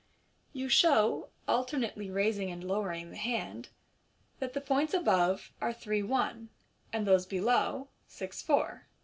You show, alternately raising and Fig. 117. lowering the hand, that the points above are " three one," and those below " six four."